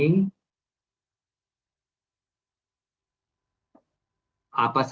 perjalanan penyakit ini